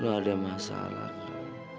lu ada masalah kan